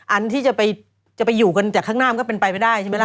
อันที่จะไปอยู่กันจากข้างหน้ามันก็เป็นไปไม่ได้ใช่ไหมล่ะ